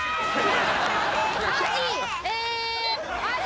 アジ。